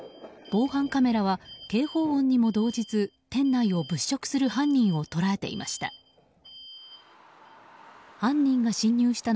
防犯カメラは、警報音にも動じず店内を物色する犯人を捉えていました。